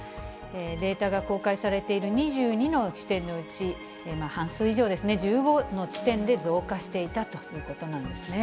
データが公開されている２２の地点のうち、半数以上ですね、１５の地点で増加していたということなんですね。